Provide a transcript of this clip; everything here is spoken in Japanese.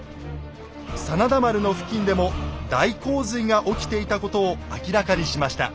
真田丸の付近でも大洪水が起きていたことを明らかにしました。